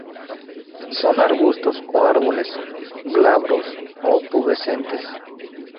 Son arbustos o árboles, glabros o pubescentes.